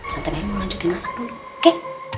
tante meli mau lanjutin masak dulu oke